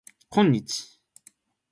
こんにち